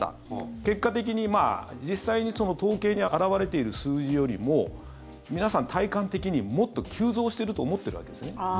結果的に実際に統計に表れている数字よりも皆さん体感的にもっと急増していると思っているわけですね。